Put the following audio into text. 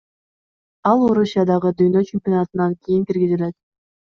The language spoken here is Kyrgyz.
Ал Орусиядагы дүйнө чемпионатынан кийин киргизилет.